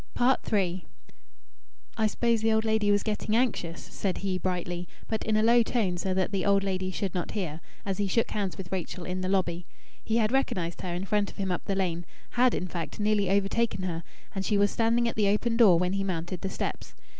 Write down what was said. III "I suppose the old lady was getting anxious?" said he brightly (but in a low tone so that the old lady should not hear), as he shook hands with Rachel in the lobby. He had recognized her in front of him up the lane had, in fact, nearly overtaken her; and she was standing at the open door when he mounted the steps.